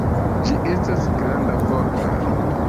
Ĝi estas granda, forta.